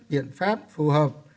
biện pháp phù hợp